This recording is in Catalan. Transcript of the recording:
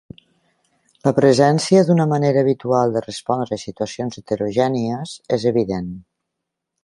La presència d'una manera habitual de respondre a situacions heterogènies és evident.